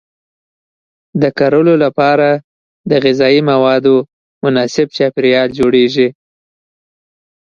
د کرلو لپاره د غذایي موادو مناسب چاپیریال جوړیږي.